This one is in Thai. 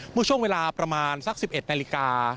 เมื่อช่วงเวลาประมาณสัก๑๑นาฬิกา